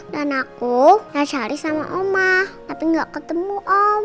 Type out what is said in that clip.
dan aku nyari sama omah tapi gak ketemu om